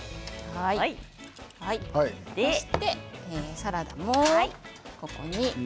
サラダもここに。